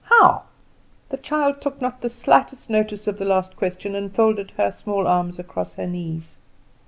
"How?" The child took not the slightest notice of the last question, and folded her small arms across her knees.